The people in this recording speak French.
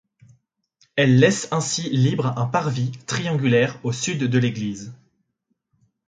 Elle laisse ainsi libre un parvis triangulaire au sud de l'église.